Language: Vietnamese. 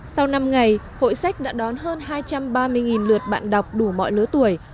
sau năm ngày hội sách đã đón hơn hai trăm ba mươi lượt bạn đọc đủ mọi lứa tuổi